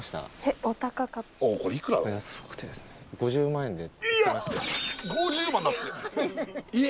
５０万円で。